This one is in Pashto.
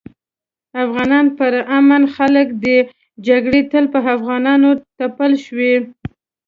افغانان پر امن خلک دي جګړي تل په افغانانو تپل شوي